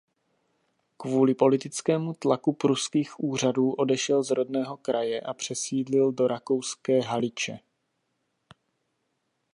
Kvůli politickému tlaku pruských úřadů odešel z rodného kraje a přesídlil do rakouské Haliče.